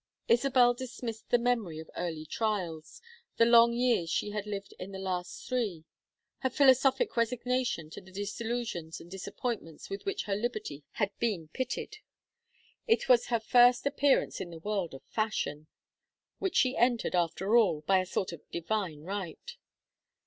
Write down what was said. Isabel dismissed the memory of early trials, the long years she had lived in the last three, her philosophic resignation to the disillusions and disappointments with which her liberty had been pitted; it was her first appearance in the world of fashion which she entered, after all, by a sort of divine right.